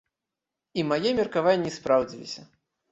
І мае меркаванні спраўдзіліся.